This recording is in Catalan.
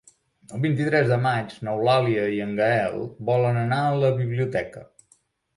El vint-i-tres de maig n'Eulàlia i en Gaël volen anar a la biblioteca.